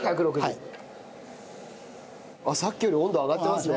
さっきより温度上がってますね。